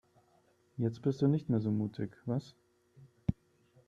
Jetzt bist du nicht mehr so mutig, was?